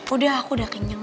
udah aku udah kenyang